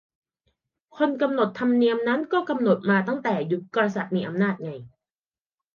คนกำหนดธรรมเนียมนั่นก็กำหนดมาตั้งแต่ยุคกษัตริย์มีอำนาจไง